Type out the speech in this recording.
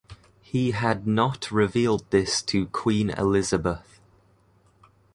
He had not revealed this to Queen Elizabeth.